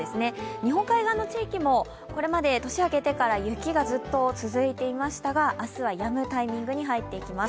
日本海側の地域もこれまで年が明けてから雪がずっと続いていましたが明日はやむタイミングに入っていきます。